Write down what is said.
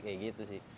kayak gitu sih